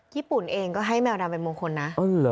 ญี่ปุ่นเองก็ให้แมวดำเป็นมงคลนะ